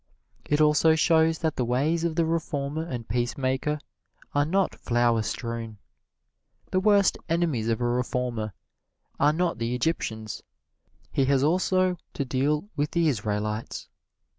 It also shows that the ways of the reformer and peacemaker are not flower strewn. The worst enemies of a reformer are not the Egyptians he has also to deal with the Israelites.